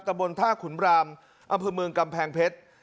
บนท่าขุนรามอำเภอเมืองกำแพงเพชร